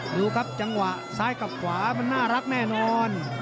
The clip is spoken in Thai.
ดูครับจังหวะซ้ายกับขวามันน่ารักแน่นอน